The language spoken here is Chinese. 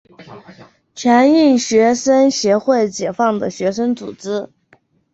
全印学生协会解放的学生组织。